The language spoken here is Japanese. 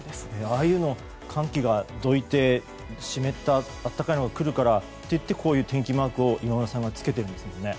ああいうの寒気がどいて湿った暖かいのが来るからといってこういう天気マークを今村さんがつけているんですよね。